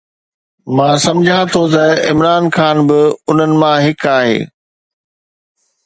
مان سمجهان ٿو ته عمران خان به انهن مان هڪ آهي.